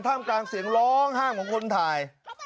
ท่ามกลางเสียงร้องห้ามของคนไทย